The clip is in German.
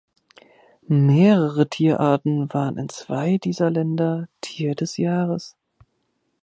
Mehrere Tierarten waren in zwei dieser Länder Tier des Jahres.